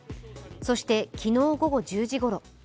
そして昨日午後１０時ごろ。